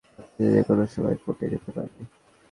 আমার হৃদপিণ্ড এতো জোরে কাঁপছে যে যেকোনো সময় ফেটে যেতে পারে।